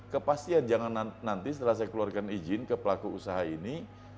kepastian jangan nanti setelah saya keluarkan izin ke pelaku usaha ini